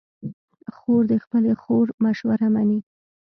خور د خپلې خور مشوره منې.